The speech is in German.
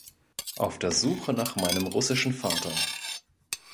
Auf der Suche nach meinem russischen Vater".